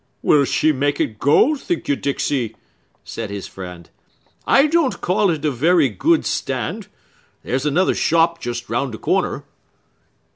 "Will she make it go, think you, Dixey?" said his friend. "I don't call it a very good stand. There's another shop just round the corner."